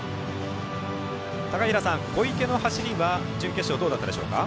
高平さん、小池の走りは準決勝どうでしたか？